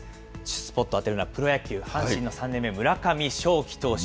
スポット当てるのはプロ野球・阪神の３年目、村上頌樹投手。